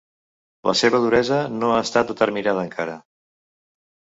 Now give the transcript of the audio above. La seva duresa no ha estat determinada encara.